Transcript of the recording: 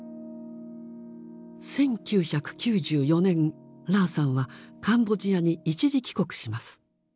１９９４年ラーさんはカンボジアに一時帰国します。